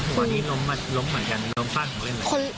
คือหัวนี้ล้มเหมือนกันล้มฟาดของเล่นอะไร